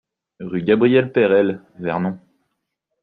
Rue Gabriel Perelle, Vernon